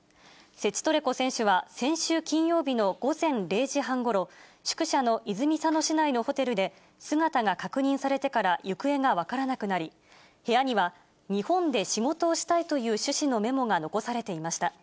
セチトレコ選手は先週金曜日の午前０時半ごろ、宿舎の泉佐野市内のホテルで姿が確認されてから、行方が分からなくなり、部屋には、日本で仕事をしたいという趣旨のメモが残されていました。